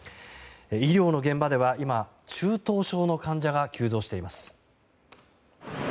医療の現場では今、中等症の患者が急増しています。